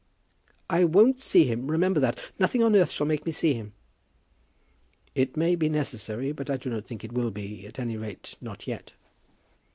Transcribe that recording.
"I won't see him. Remember that. Nothing on earth shall make me see him." "It may be necessary, but I do not think it will be; at any rate not yet."